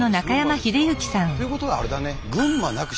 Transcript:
っていうことはあれだね。